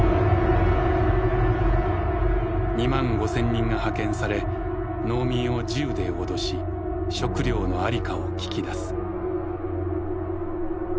２万５０００人が派遣され農民を銃で脅し食糧の在りかを聞き出す。